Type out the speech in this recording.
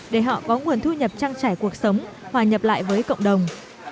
để họ có nguồn thu nhập trăng trải cuộc sống hòa nhập lại với cộng đồng